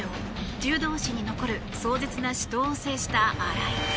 柔道史に残る壮絶な死闘を制した新井。